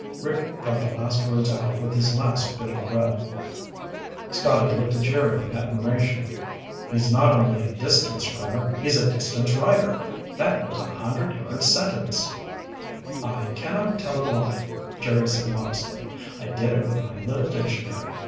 '" Rick got the last words out with his last bit of breath. Scotty looked at Jerry with admiration. "He's not only a distance runner, he's a distance writer. That was a hundred yard sentence." "I cannot tell a lie," Jerry said modestly. "I did it with my little dictionary.